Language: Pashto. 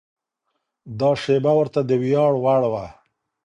دا شېبه ورته د ویاړ وړ وه.